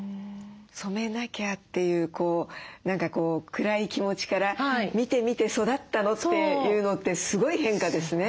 染めなきゃっていう何か暗い気持ちから「見て見て育ったの」っていうのってすごい変化ですね。